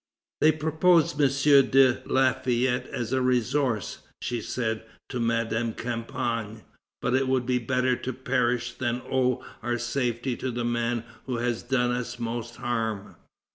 "They propose M. de Lafayette as a resource," she said to Madame Campan; "but it would be better to perish than owe our safety to the man who has done us most harm."